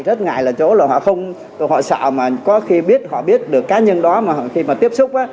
rất ngại là chỗ họ sợ mà có khi biết họ biết được cá nhân đó mà khi mà tiếp xúc